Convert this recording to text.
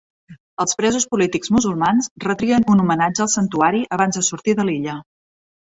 Els presos polítics musulmans retrien un homenatge al santuari abans de sortir de l'illa.